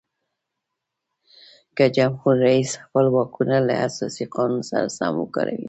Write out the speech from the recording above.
که جمهور رئیس خپل واکونه له اساسي قانون سره سم وکاروي.